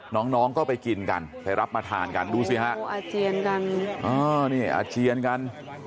น้องน้องก็ไปกินกันไปรับมาทานกันดูสิฮะโอ้อาเจียนกันนี่อาเจียนกัน